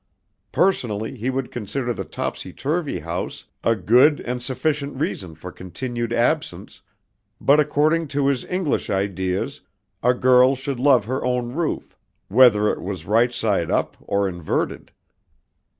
Personally he would consider the topsy turvy house a good and sufficient reason for continued absence, but according to his English ideas a girl should love her own roof whether it was right side up or inverted.